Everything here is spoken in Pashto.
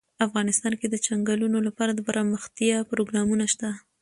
افغانستان کې د چنګلونه لپاره دپرمختیا پروګرامونه شته.